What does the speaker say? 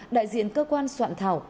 đại diện cơ quan soạn thảo